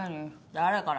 誰から？